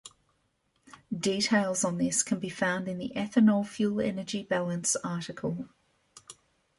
Details on this can be found in the Ethanol fuel energy balance article.